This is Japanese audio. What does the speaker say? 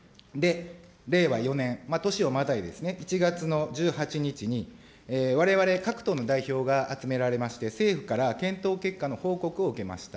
令和４年、年をまたいで、１月の１８日にわれわれ各党の代表が集められまして、政府から検討結果の報告を受けました。